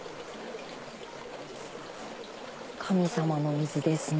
神様のお水ですね。